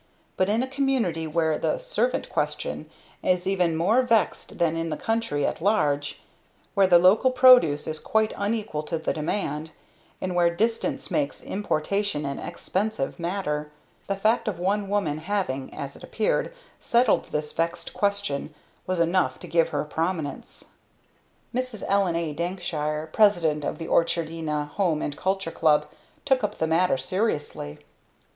But in a community where the "servant question" is even more vexed than in the country at large, where the local product is quite unequal to the demand, and where distance makes importation an expensive matter, the fact of one woman's having, as it appeared, settled this vexed question, was enough to give her prominence. Mrs. Ellen A. Dankshire, President of the Orchardina Home and Culture Club, took up the matter seriously.